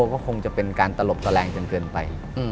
ก็คงจะเป็นการตะหรบตะแรงจนเกินไป